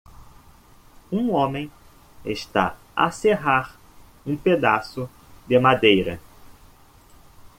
Um homem está a serrar um pedaço de madeira.